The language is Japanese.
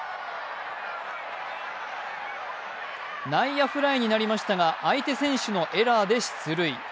内野フライになりましたが、相手選手のエラーで出塁。